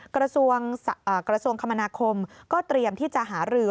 กระทรวงคมนาคมก็เตรียมที่จะหารือ